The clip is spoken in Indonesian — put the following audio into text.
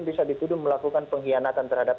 bisa dituduh melakukan pengkhianatan terhadap